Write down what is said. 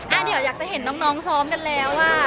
เดี๋ยวจะเห็นน้องซ้อมกันแล้วอ่ะ